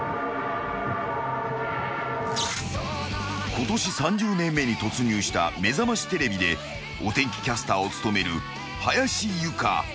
［ことし３０年目に突入した『めざましテレビ』でお天気キャスターを務める林佑香］